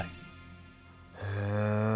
へえ。